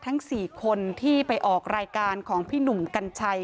ทั้ง๔คนที่ไปออกรายการของพี่หนุ่มกัญชัย